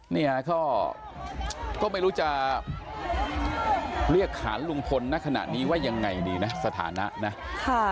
เนี่ยก็ไม่รู้จะเรียกหารลุงพลณขนาดนี้ว่ายังไงดีนะ